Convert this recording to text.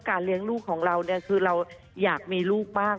เลี้ยงลูกของเราเนี่ยคือเราอยากมีลูกมาก